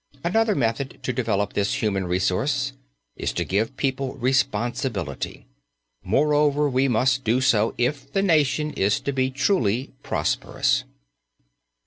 Another method to develop this human resource is to give people responsibility. Moreover, we must do so if the nation is to be truly prosperous.